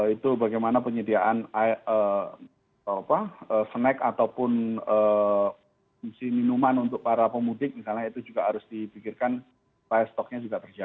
itu bagaimana penyediaan snack ataupun minuman untuk para pemudik misalnya itu juga harus dipikirkan file stocknya juga terjaga